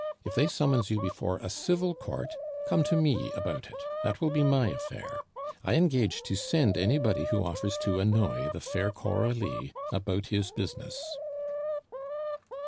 If they summons you before a civil court, come to me about it, that will be my affair; I engage to send anybody who offers to annoy the fair Coralie about his business."